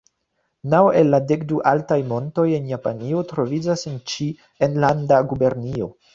Naŭ el la dek du altaj montoj en Japanio troviĝas en ĉi enlanda gubernio.